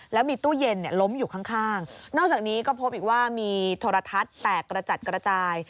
แล้วมีตู้เย็นล้มอยู่ข้างนอกจากนี้ก็พบอีกว่ามีโทรทัศน์แตกกระจัดกระจาย